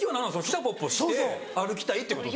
汽車ポッポして歩きたいってこと？